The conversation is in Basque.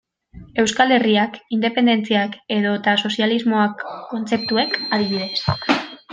Euskal Herriak, independentziak edota sozialismoak kontzeptuek, adibidez.